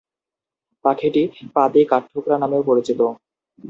পাখিটি পাতি কাঠঠোকরা নামেও পরিচিত।